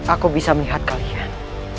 aku bisa melihat kalian